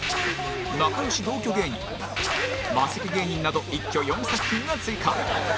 仲良し同居芸人マセキ芸人など一挙４作品が追加